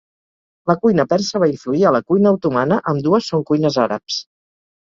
La cuina persa va influir a la cuina otomana, ambdues són cuines àrabs.